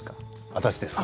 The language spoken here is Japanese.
私ですか？